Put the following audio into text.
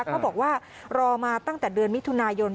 เขาบอกว่ารอมาตั้งแต่เดือนมิถุนายน